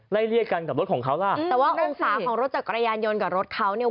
เรียกกันกับรถของเขาล่ะแต่ว่าองศาของรถจักรยานยนต์กับรถเขาเนี่ย